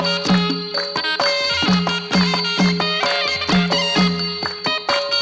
โหนี่เจ๋งวะ